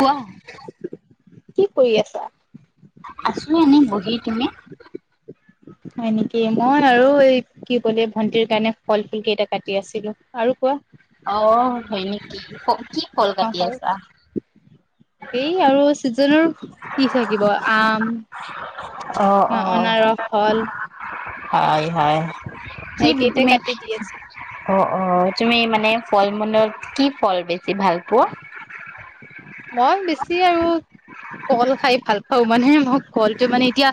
কোৱা কি কৰি আছা? আছোঁ এনেই বহি, তুমি? হয়, নেকি? মই আৰু এই কি ক'লে ভন্টিৰ কাৰণে ফল ফুল কেইটা কাটি আছিলোঁ আৰু কোৱা অ', হয়, নেকি? কি কল কাটি আছা এই আৰু চিজনৰ কি থাকিব? আম অ অ অনাৰস ফল হয়, হয়। কি এইকেইটাই তুমি, কাটি দি আছো অ', অ', তুমি মানে ফল মূলত কি ফল বেছি ভাল পোৱা? মই বেছি আৰু কল খাই ভাল পাওঁ, মানে মই কলটো মানে এতিয়া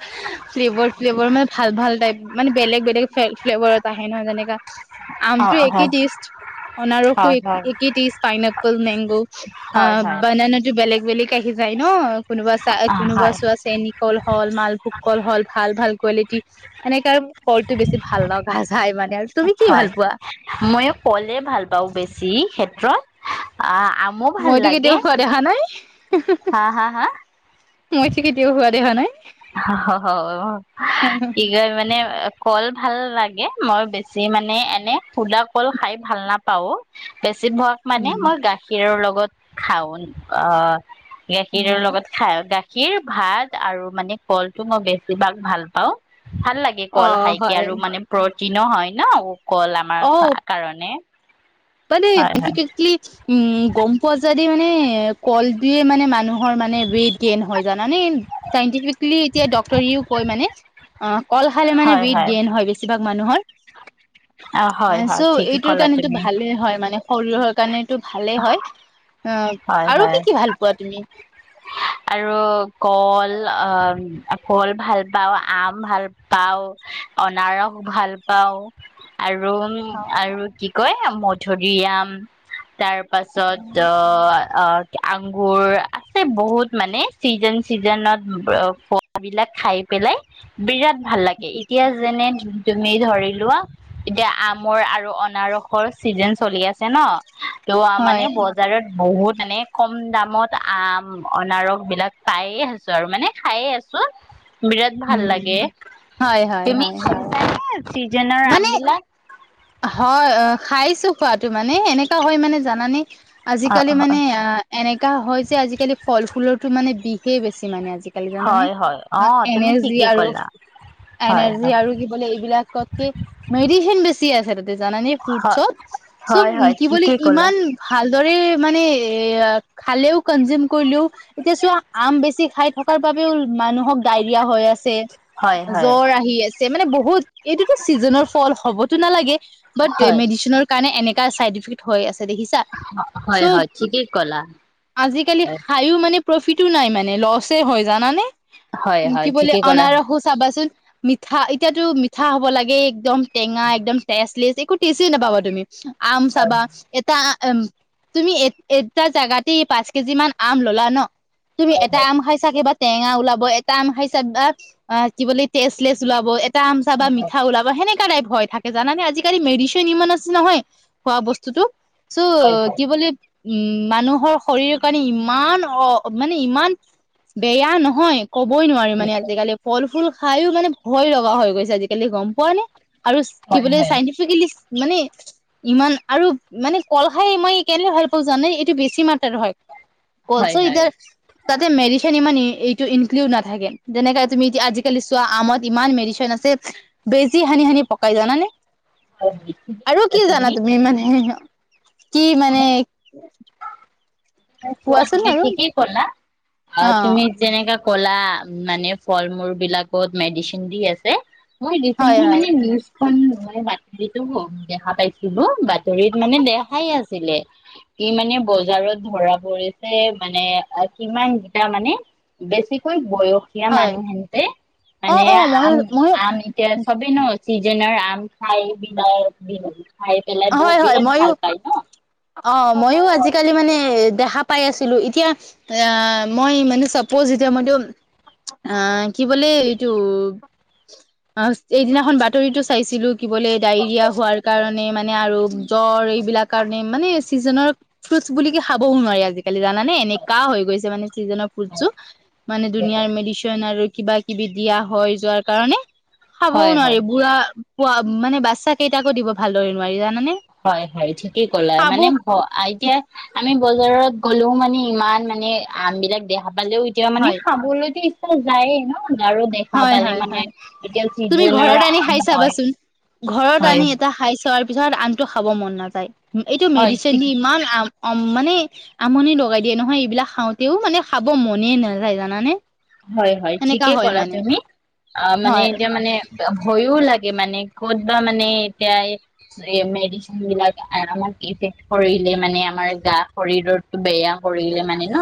ফ্লেভৰ, ফ্লেভৰ মানে ভাল, ভাল টাইপ মানে বেলেগ, বেলেগ ফ্লেল-ফ্লেভাৰত আহে নহ যেনেকা অ আমটো হয় একেই টেইষ্ট, অনাৰসো হয় হয় এক-একেই টেইষ্ট পাইনপ'ল, মেংগো আ হয় হয় [unintelligible] বেলেগ, বেলেগ আহি যায় ন? কোনোবা অ চাই-কোনোবা হয় চোৱা চেনি কল হ'ল, মালভোগ কল হ'ল, ভাল, ভাল কোৱালিটি এনেকে আৰু কলটো বেছি ভাল [unintelligible] হয়, পোৱা ময়ো কলে ভাল পাওঁ বেছি, সেইত [unintelligible] আ মইতো কেতিয়াও খোৱা দেখা নাই। হা, হা, হা মইটো [unintelligible] কেতিয়াও দেখা নাই। [unintelligible] কল ভাল লাগে, মই বেছি মানে এনে সুদা কল খাই ভাল নাপাওঁ, বেচ চি, ভগ মানে উম মই গাখীৰৰ লগত খাওন অ, গাখীৰৰ লগত খাই গাখীৰ গাখীৰ ভাত আৰু মানে ফলটো মই বেছিভাগ ভাল পাওঁ। ভাল লাগে অ কল খাইকে হয় আৰু মানে টিনো হয় ন। কল আমাৰ অ কাৰণে। মানে হয় হয় উম, গম পোৱা যায়দি মানে মানে কলটোৱে মানে মানুহৰ মানে ৱেটিয়েন হয় জানা নে চিন্তেফিক্লি এতিয়া ডক্তৰে কৈ মানে অ, কল খালে মানে ৱেইট গেইন হয় বেছিভাগ মানুহৰ। অ, চ' হয়-হয় ঠিকে এইটোৰ ক'লা কাৰণেতো তুমি। ভালে হয় মানে শৰীৰৰ তানে এইটো ভালেই হয় হয়, আৰু কি কি ভাল পোৱা তুমি? আৰু কল, অ কল ভাল পাওঁ, আম ভাল পাওঁ, অনাৰস ভাল পাও আৰু [unintelligible] আৰু কি কয় থগীআম, তাৰ পাছত অ, আংগুৰ আছে বহুত মানে চিজন চিজনত খোৱা বিলাক খাই পেলাই বিৰাট ভাল লাগে, এতিয়া যেনে তুমি ধৰিলোৱা, এতিয়া আমৰ আৰু অনাৰসৰ চিজন চলি আছে ন? [unintelligible] মানে হয় বজাৰত বহুত মানে কম দামত আম অনাৰস বিলাক পায়ে আছোঁ আৰু মানে খায়ে আছোঁ বিৰাট ভাল লাগে, উম হয় হয় তুমি হয় হয় [unintelligible] ছিজনৰ মানে আমবিলাক হয় অঁ খাইছ খোৱা মানে এনেকা হয় মানে জানে। আজিকালি মানে এনেকা হয় যে আজিকালি ফল ফুলৰতো মানে বিষে বেছি মানে আজি আজিকালি জানানে হয় হয় অ তুমি এনাৰ্জি ঠিকেই আৰু ক'লা হয় এনাৰ্জি আৰু কি বোলে এইবিলাকতকে মেডিচন বেছি'- ছে জানানে হয় ফ্ৰুটছত, চব হয় হয় কি বুলি ঠিকেই ক'লা ইমান ভালদৰে মানে এ, খালেও কনজিউম কৰিলেও এতিয়া চোৱা, আম বেছি খাই থকাৰ বাবেও মানুহক ডায়েৰিয়া হৈ আছ ছে, হয় হয় জ্বৰ আহি আছ ছে মানে বহুত, এইটোতো চিজনৰ ফল। টো নালাগে, বাত হয় ৰেমেডিশ্বনৰ কাৰণে এনে টা চাইড ইফেক্ট হৈ আছে। দেখিছা হয় চ' হয় ঠিকেই ক'লা আজিকালি হয় খায়ো মানে প্ৰ'ফিটো নাই মানে ল'চে হয় জানানে। হয় হয় কি বুলি ঠিকেই ক'লা আনাৰসো চাবাচোন। মিঠা, এতিয়াটো মিঠা হ'ব লাগে। একদম টেঙা এক [unintelligible] একো টেচে নাপাবা তুমি। আম হয় চাবা, এটা উম, তুমি এট এটা জোগাতে পাঁচ কেজি মান আম ল'লা ন। তুমি হয় এটা আম খাই চাগে বা টেঙা ওলাব, এটা আম খাই চাবা কি বুলি টেষ্টলেচ ওলাব এট এটা আম চাবা মিঠা ওলাব, সেনেক কা টাইপ ভয় থাক কে জানানে আজিকালি মেডিশ্বিন ইমান আছে নহয় খোৱা বস্তুটো। চো হয় হয় কি বুলি উম, মানুহৰ শৰীৰ কাৰণে ইমান অ', মানে ইমান বেয়া নহয় ক'বই নোৱাৰিম মানে আজিকালি ফল ফুল খায়ো মানে ভয় লগা হৈ গৈছে আজিকালি গম পোৱা নে? আৰু কি হয় বোলে হয় চাইটিফিকইংলি মানে ইমান আৰু মানে কল খাই মই কেলে ভাল পাওঁ জানে? এইটো বেছি মাত্ৰ হয় হয় [unintelligible] তাতে মেডি ইমান এইটো ইনক্লুড নাথাকে, যেনেকাে তুমি এতিয়া আজিকালি চোৱা আমত ইমান মেডিচিন আছে, বেজি সানি, সানি পকাই জানানে? হয় ঠিকেই আৰু ক'লা কি জানা তুমি? মানে কি মানে কোৱাচোন আৰু [unintelligible] আ, অ তুমি যেনেকা ক'লা মানে ফল মূল বিলাকত মেডিচিন দি আছে। মই হয় ৰিচেণ্টলি হয় নিউজ [unintelligible] মই বাতৰিতো দেখা পাইছিলোঁ, বাতৰিত মানে দেখাই আছিলে, কি মানে বজাৰত ধৰা ছে মানে কিমান দুটা মানে বেছিকৈ বয়স দুখীয়া হয় মানুহেনতে অ মানে অ ময়ো আম ময়ো আম এতিয়া চবেই ন চিজনৰ আম খাই বি বি খাই পেলাই বহুত হয় হয় বিৰাট ময়ো ভাল পায় ন অ মইো আজিকালি মানে দেখা পাই আছিলো এতিয়া আহ মই মানে চাপ'জ এতিয়া মইতটো অ কি বোলে এইটো এইদিনাখন বাতৰিতটো চাইছিলো থাকিবলৈ ডা'য়েৰিয়া হোৱাৰ কাৰণে নে মানে মানে আৰু জ্বৰ এইবিলাক কাৰণে মানে চিজনৰ ফ্ৰুটছ বুলিুলে খাবওঁ নোৱাৰি আজি জালি জানে এনেকা হৈ গৈছে মানে চিজনৰ ফুড চো মানে দুনিয়া মেডিচন আৰু কিবা কিবি দিয়া হয় যোৱাৰ কাৰণে খাবও হয় নোৱাৰি হয়। বুঢ়া পোৱা মানে বাচ্ছা কেইটাকো দিব ভালদৰি াইা হয় হয় ঠিকেই কলা মানে এতিয়া আমি বজাৰত গ'লেও মানে ইমান মানে আম বিলাক দেহা পালেও এতিয়া মানে হয় খাবলৈ দি যায়ে ন আৰু দেখা হয় পালে হয় মানে হয় এতিয়া তুমি চিজনৰ ঘৰত আনি আম খাই হয় চাবাচোন ঘৰত হয় আনি এটা খাই চোৱাৰ পিছত ধৰ আনটো খাব মন নাযায় এইটো হয় মেডিচিন দি ঠিকে ইমান আম অ মানে আমনি লগাই দিয়ে নহয় এইবিলাক খাওঁতেও মানে খাব মনে নাযায় জানানে হয় হয় এনেকা ঠিকেই হয় ক'লা মানে তুমি অ মানে হয় এতিয়া মানে ভয়ও লাগে মানে ক'ত বা মানে এতিয়া মেডিচিন বিলাক আমাক ইফেক্ট কৰিলে মানে আমাৰ গা শৰীৰতটো বেয়া কৰিলে মানে ন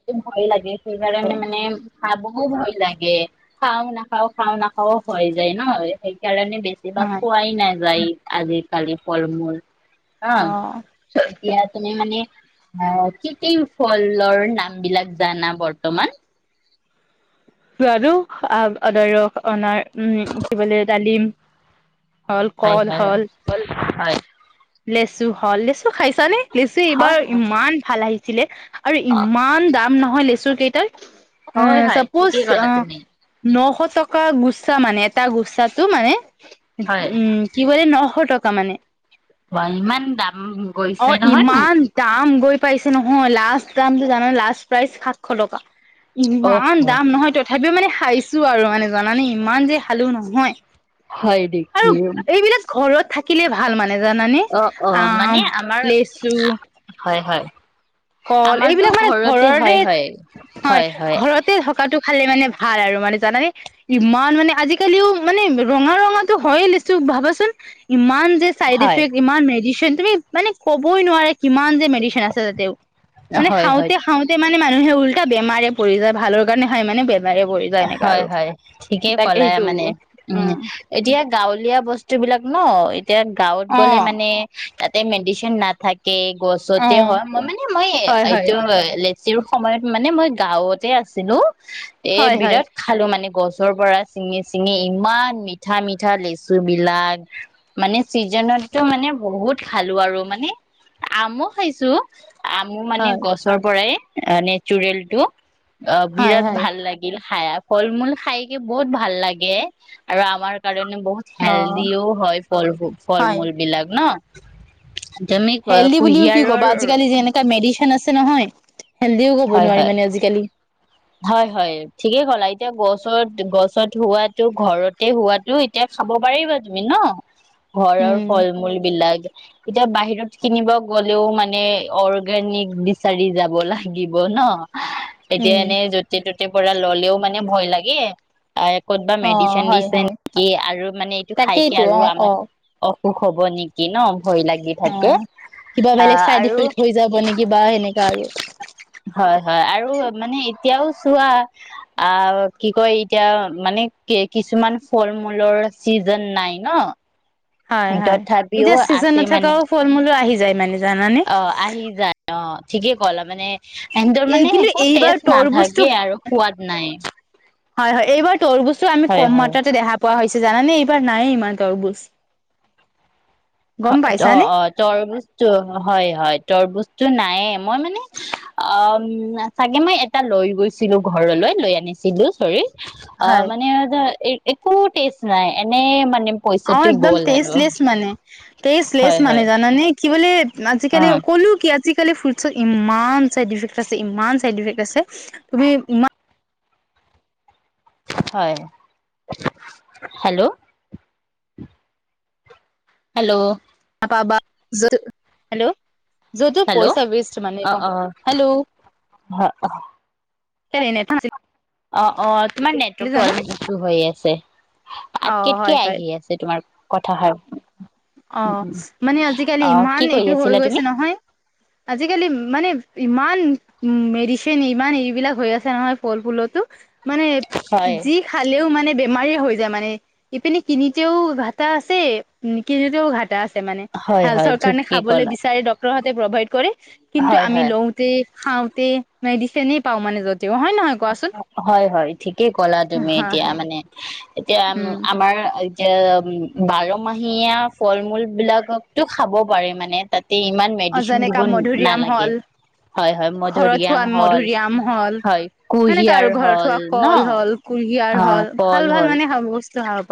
সটো ভয় লাগে সেইকাৰণ মানে খাব ভয় লাগে খাও নাখাও খাও নাখাও হয় যায় নহয় স স কাৰণে বেছিভাগ হয় পোৱাই নাযায় আজ কালিয় ফল মূল অ এতিয়া মে মানে আহ ক কি ফলৰ নাম বিলাক জানা বৰ্তমান [unintelligible] অনাৰ উম, [unintelligible] ডালিম হ'ল হয়, কল হয়, হ'ল কল হয়। লেচু হ'লছ খাইছা নে লিচু এইবাৰ হয় হয় ইমান ভাল আহিছ ছিলে আৰু ইমান দাম নহয় লেচ চু কেইটাৰ এ হয়, হয়। চাপ'জ ঠিকেই ক'লা অ তুমি। নশ টকা গুচছা মানে এটা গুচছাটো মানে হয় উম, কি বুলি নশ টক কা মানে অ', ইমান দাম অ গৈছে নহয় নো। ইমান দাম গৈ পাইছে নহয়, লাষ্ট দামটো জানা, লাষ্ট প্ৰাইজ সাতশ টকা। অহ ইমান তথাপিও মানে খাইছোঁ আৰু মানে জানে ইমান যে খালোঁ নহয়। হয় আৰু নেকি? এইবিলাক ঘৰত থাকিলে ভাল মান নে জানানে অ অ আ, মানে আমাৰ লেচু হয় হয় কল আমাৰতো এইবিলাক মানে ঘৰতে ঘৰৰে হয় হয় হয়, ঘৰতে থকাটো খালে মানে ভাল আৰু মানে জানানে ইমান মানে আজিকালিও মানে ৰঙা ৰঙাটো হয়ে লচু ভাবাচোন ইমান যে চাইড হয় ইফেক্ট ইমান মেজি শ্বন তুমি মানে ক'বই নোৱাৰে কিমান যে মেডিশ্বিন আছে তাতে। মানে হয় হয় খাওঁতে খাওঁতে মানে মানে মানুহে উল্টা বেমাৰে পৰি যায় ভালৰ কাৰণে হয় মানে বে হয়, হয় ঠিকেই তাকে ক'লা সেইটো মানে উম, এতিয়া গাঁৱলীয়া বস্তুবিলাক ন এতিয়া গাঁৱত অ গ'লে মানে তাতে মেডিশ্বিন নাথাক কে অ গছতে হয় মই মানে মই হয় হয় এইটো লেচিৰ সময়ত মানে মই গাঁৱতে আছিলো। এই হয় বি ত হয় খালো মানে গছ গছৰ পৰা চিঙি চিঙি ইমান মিঠা মিঠা লেচু বিলাক মানে চিজনতো মানে বহুত খালো আৰু মানে আমো খাইছো আম মানে হয় গছৰ পৰাই নেচুৰেলটোটো। অঁ হয় বিৰাট হয় ভাল লাগিল। খাই ফল -মূল খাই কে বহুত ভাল লাগে আৰু আমাৰ কাৰণে মান বহুত অ হেল্দিও হয় ফল ফল হয় -মূল বিলাক ন! [inaudible] হেল্ডি বুলিও কি কুঁহিয়াৰৰ ক'বা আজিকালি যেনে মেড ফেন আছে নহয়। হেলডিও ক'ব হয় নোৱাৰি হয় মানে আজিকালি হয় হয় ঠিকেই ক'লা এতিয়া গছত গছত হোৱাতটো ঘৰতে হোৱাটো এতিয়া খাব পাৰিবা তুমি ন। ঘৰৰ উম ফল মূল বিলাক এতিয়া বাহিৰত কিনিব গলেও মানে অৰ্গেনিক বিচাৰি যাব লাগিব ন। এতিয়া উম এনেই যতে পৰা ল'লেও মানে ভয় লাগে। ক'তবা অ মেডিচিন হয় দিছে হয় নেকি আৰু মানে এইটো খাইকে তাকেইতো আৰু অ অ আমাক অ সুখ হ'ব নেকি ন ভয় লাগি অ থাকে কিবা বেলেগ আহ চাইড আৰু এফেক্ট হৈ যাব নেকি বা সেনেকা আৰু। হয় হয় আৰু মানে এতিয়াও চোৱা আহ কি কয় এতিয়া মানে কি কিছুমান ফল মূলৰ চিজন নাই ন হয় হয় তথাপিও এতিয়া চিজন আছে মানে নথকাও ফল মূলো আহি যায় মানে জানানে। অ আহি যায় অ ঠিকে ক'লা মানে এহতৰ এই মানে কিন্তু একো এইবাৰ টেষ্ট তৰবুজটো নাথাকে আৰু সোৱাদ নাই। হয় হয় এইবাৰ তৰবুজটো আমি হয় কম হয় মাত্ৰাতে দেখা পোৱা হৈছে। জাননে এইবাৰ নায়ে ইমান তৰবোছ। [unintelligible] অ', অ', হয়-হয়। তৰবোছটো নায়ে মই মানে [unintelligible] চাগে মই এটা লৈ গৈছিলো ঘৰলৈ লৈ আনিছিলো চৰি অ, হয় মানে এইযে এই একো টেষ্ট নাই এনে মানে অ, পইচাটো একদম গ'ল হেনো তেষ্টলেচ মানে। তেষ্টলেছ হয় মানে হয় জানানে? কি বোলে অ আজিকালি ক'লো কি আপ আজিকালি ফ্ৰছত ইমান চাইড ইফেক্ট আছে ইমান চাইড ইফেক্ট আছে তুমি ই হয় হেল্ল' হেল্ল' পাবা য হেল্ল' যদি হেল্ল' পইচা ৱেষ্ট মানে অ কম অ হেল্ল' কেনে নে থে অ অ তোমাৰ নেটৱৰ্ক টো অলপ ইছু হৈ আছে অ আটকে হয় আটকে হয় আহি আছে তোমাৰ কথা হয় অ মানে আজিকালি ইমান কি কৰি এইটো হৈ আছিলা গৈছে তুমি নহয় আজিকালি মানে ইমান মেডিচিন ইমান এইবিলাক হৈ আছে নহয় ফল ফুলতো মানে হয় যি খালেও মানে বেমাৰী হৈ যায় মানে ইপিনে কিনিতেও ঘটা আছে কিনিতেও ঘাটা আছে মানে হয় হয় হেল্থৰ কাৰণে ঠিকেই খাবলৈ ক'লা বিচাৰে ডক্টৰ প্ৰভাইড কৰে কিন্তু হয় আমি হয় লওঁতে খাওঁতে মেডিচনে পাও মানে য'ত হয় হয় ঠিকেই কলা তুমি হয় এতিয়া হয় মানে এতিয়া উম আমাৰ এতিয়া উম বাৰমাহীয়া ফল মুল বিলাক তো খাব পাৰে মানে তাত ইমান মেডিচিন অজানে দিব কাম মধুৰিআম নালাগে হ'ল হয় হয় ঘৰত মধৰিয়াম হল হয় মানে কুঁহিয়াৰ কাৰু ঘৰত হ'ল হোৱা ন কল হল কুহিয়াৰ অ হল কল ভাল হ'ল ভাল মানে খাব ইস্তি হাট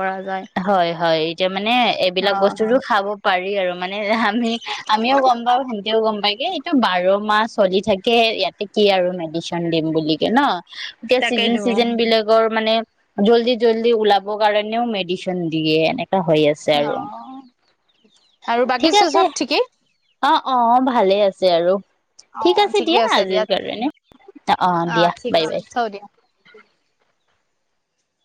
হয় হয় এতিয়া মানে এইবিলাক অ', বস্তুৰো খাব পাৰি আৰু মানে আমি আমিও গম পাও হেহতেও গম পায়গে এইটো বাৰ মাহ চলি থাকে ইয়াতে কি আৰু মেডিচিন দিম বুলিকে ন এতিয়া চিজন তাকেইতো। অ'। চিজন বিলাকৰ মানে জল্দি জল্দি ওলাব কাৰণেও মেডিন দিয়ে এনেক হৈ আছে আৰু আৰু ঠিক বাকিচো আছে চব ঠিকেই অ অ অ ভালে আছে আৰু। ঠিক আছে দিয়া আজিৰ কাৰণে, অ দিয়া ঠিক বাই আছে বাই। থও দিয়া।